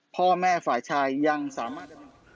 พ่อแม่ฝ่ายชายยังสามารถจะ